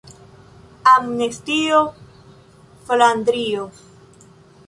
Amnestio Flandrio.